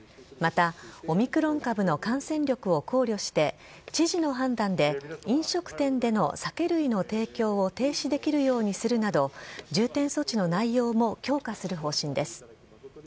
また、オミクロン株の感染力を考慮して知事の判断で飲食店での酒類の提供を停止できるようにするなど重点措置の内容も強化する方針です。